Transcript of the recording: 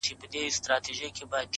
ويل دغي ژبي زه يم غولولى!!